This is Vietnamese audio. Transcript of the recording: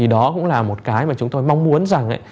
đó cũng là một cái mà chúng tôi mong muốn rằng